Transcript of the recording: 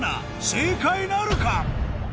正解なるか？